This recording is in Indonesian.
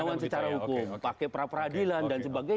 melawan secara hukum pakai pra peradilan dan sebagainya